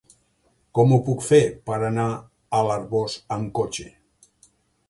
Com ho puc fer per anar a l'Arboç amb cotxe?